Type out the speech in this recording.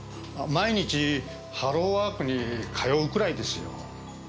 毎日ハローワークに通うくらいですよ。